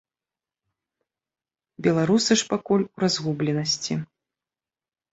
Беларусы ж пакуль у разгубленасці.